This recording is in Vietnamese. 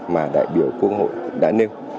mà đại biểu quốc hội đã nêu